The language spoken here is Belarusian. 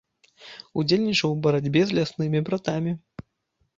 Удзельнічаў у барацьбе з ляснымі братамі.